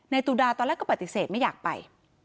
ตุดาตอนแรกก็ปฏิเสธไม่อยากไป